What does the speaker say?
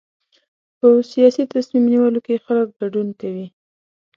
په سیاسي تصمیم نیولو کې خلک ګډون کوي.